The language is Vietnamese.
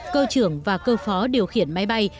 cơ trưởng và cơ phó điều khiển máy bay